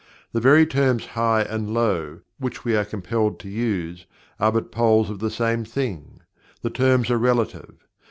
The very terms "high" and "low," which we are compelled to use, are but poles of the same thing the terms are relative.